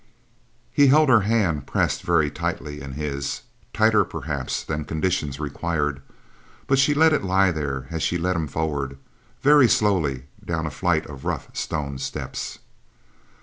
He held her hand pressed very tightly in his, tighter perhaps than conditions required, but she let it lie there as she led him forward, very slowly down a flight of rough stone steps.